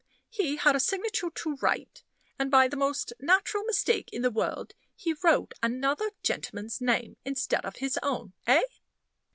He had a signature to write; and, by the most natural mistake in the world, he wrote another gentleman's name instead of his own eh?"